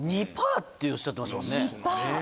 ２％っておっしゃってましたもんね。